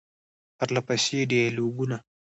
پرله پسې ډیالوګونه ،